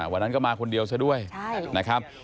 วันนั้นก็มาคนเดียวซะด้วยนะครับ